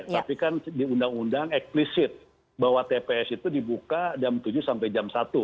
tapi kan di undang undang eksplisit bahwa tps itu dibuka jam tujuh sampai jam satu